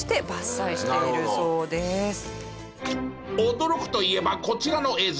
驚くといえばこちらの映像。